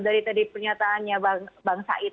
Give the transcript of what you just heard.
dari tadi pernyataannya bang said